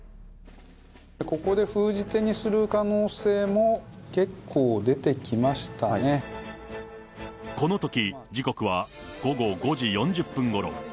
ここで封じ手にする可能性も、このとき、時刻は午後５時４０分ごろ。